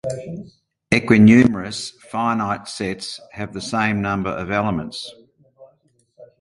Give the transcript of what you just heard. Equinumerous finite sets have the same number of elements.